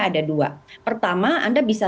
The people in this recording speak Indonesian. ada dua pertama anda bisa